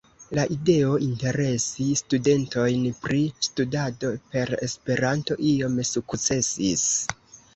La ideo interesi studentojn pri studado per Esperanto iom sukcesis.